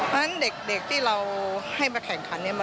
เพราะฉะนั้นเด็กที่เราให้มาแข่งขันเนี่ย